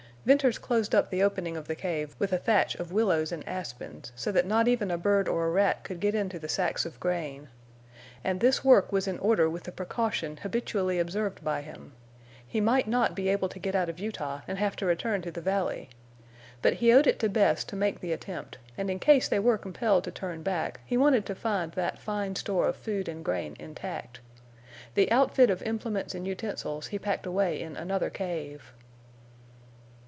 Venters closed up the opening of the cave with a thatch of willows and aspens, so that not even a bird or a rat could get in to the sacks of grain. And this work was in order with the precaution habitually observed by him. He might not be able to get out of Utah, and have to return to the valley. But he owed it to Bess to make the attempt, and in case they were compelled to turn back he wanted to find that fine store of food and grain intact. The outfit of implements and utensils he packed away in another cave.